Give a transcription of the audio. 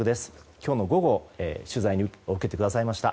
今日の午後、取材を受けてくださいました。